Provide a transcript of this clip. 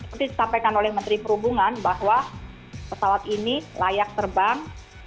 seperti disampaikan oleh menteri perhubungan bahwa pesawat ini layak terbang